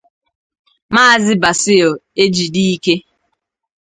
Maazị Basil Ejidike